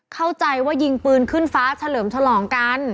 เข้าใจว่ายิงปืนขึ้นฟ้าเฉลิมฉลองกัน